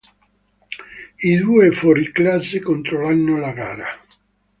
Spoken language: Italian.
I due fuoriclasse controllano la gara.